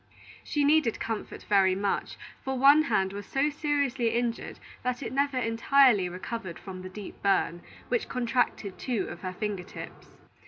She needed comfort very much; for one hand was so seriously injured that it never entirely recovered from the deep burn, which contracted two of her finger tips.